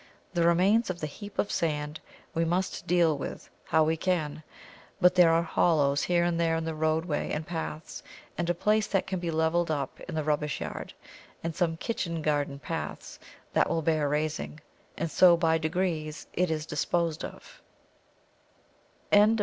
The remains of the heap of sand we must deal with how we can; but there are hollows here and there in the roadway and paths, and a place that can be levelled up in the rubbish yard, and some kitchen garden paths that will bear raising, and so by degrees it is disposed of."